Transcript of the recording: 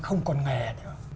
không còn nghề nữa